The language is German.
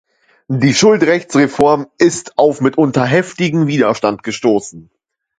Die Schuldrechtsreform ist auf mitunter heftigen Widerstand gestoßen.